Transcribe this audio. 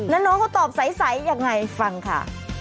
อืมน้องก็ตอบใสยังไงฟังค่ะ